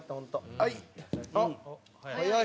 はい！